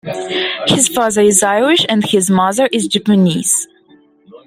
His father is Irish and his mother is Japanese.